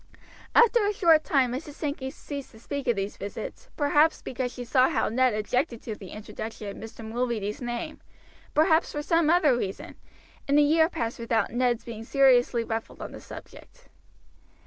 After a short time Mrs. Sankey ceased to speak of these visits, perhaps because she saw how Ned objected to the introduction of Mr. Mulready's name, perhaps for some other reason, and a year passed without Ned's being seriously ruffled on the subject.